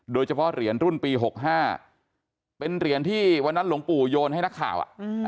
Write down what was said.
โดยเฉพาะเหรียญรุ่นปี๖๕เป็นเหรียญที่วันนั้นหลวงปู่โยนให้นักข่าว